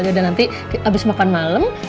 yaudah nanti habis makan malam